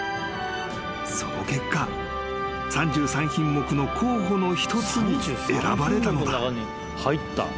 ［その結果３３品目の候補の一つに選ばれたのだ］